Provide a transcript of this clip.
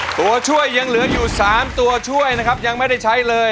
ตัวช่วยยังเหลืออยู่๓ตัวช่วยนะครับยังไม่ได้ใช้เลย